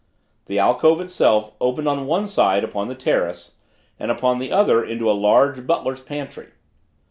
The alcove itself opened on one side upon the terrace and upon the other into a large butler's pantry.